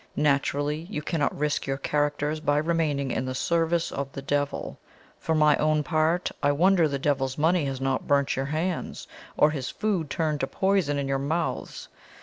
Naturally, you cannot risk your characters by remaining in the service of the devil. For my own part, I wonder the devil's money has not burnt your hands, or his food turned to poison in your mouths.